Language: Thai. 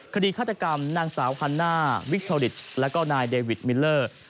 คดีฆาตกรรมนางสาวฮันน่าวิคทอริตแล้วก็นายเดวิดมิลเลอร์